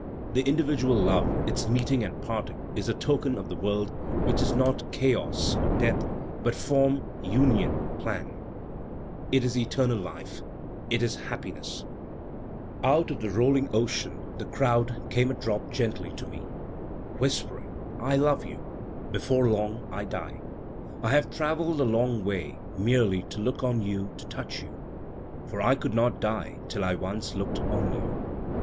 The individual love, its meeting 1 and parting, is a token of the world, which is not "chaos i Digitized by Google 226 THE SPIRIT OP AMERICAN LITERATURE or death," but "form, union, plan," it is eternal life — it is happiness. Out of the rolling ocean, the crowd, came a drop gently to me. Whispering / love you, before long I die, I have traveled a long way merely to look on you to Umch you. For I could not dietiUI once looked on you.